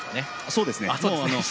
そうですね